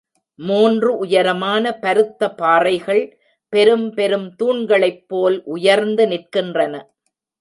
மூன்று உயரமான பருத்த பாறைகள் பெரும் பெரும் தூண்களைப்போல் உயர்ந்து நிற்கின்றன.